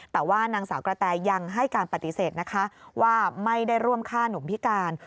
แต่ว่านางสาวกระแตยังให้การปฏิเสธนะคะว่าไม่ได้ร่วมฆ่าหนุ่มพิการ